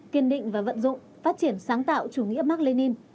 kiên định và vận dụng phát triển sáng tạo chủ nghĩa mark lenin